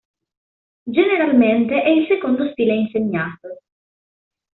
Generalmente è il secondo stile insegnato.